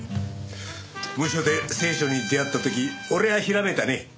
ムショで聖書に出会った時俺はひらめいたね。